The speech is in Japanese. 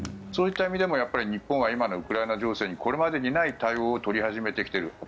そういった意味でも日本は今のウクライナ情勢にこれまでにない対応を取り始めてきている。